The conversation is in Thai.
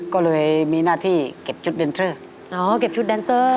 ก็เลยมีหน้าที่เก็บชุดแดนเซอร์อ๋อเก็บชุดแดนเซอร์